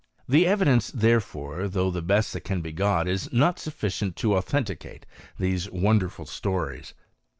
The evi dence, therefore, though, the best that can be got, is not sufficient to authenticate these wonderful stories.